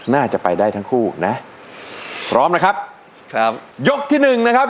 น่าจะไปได้ทั้งคู่นะพร้อมนะครับครับยกที่หนึ่งนะครับ